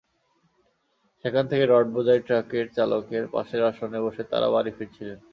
সেখান থেকে রডবোঝাই ট্রাকের চালকের পাশের আসনে বসে তাঁরা বাড়ি ফিরছিলেন।